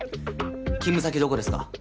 勤務先どこですか？